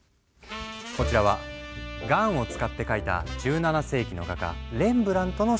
こちらはＧＡＮを使って描いた１７世紀の画家レンブラントの新作。